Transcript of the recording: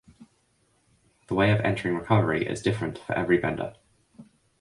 The way of entering recovery is different for every vendor.